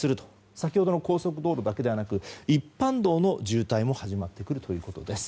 先ほどの高速道路だけでなく一般道の渋滞も始まってくるということです。